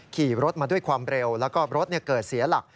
ขี่รถมาด้วยความเร็วแล้วก็รถเกิดเสียหลัก